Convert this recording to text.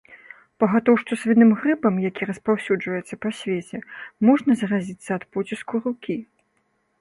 Пагатоў што свіным грыпам, які распаўсюджваецца па свеце, можна заразіцца ад поціску рукі.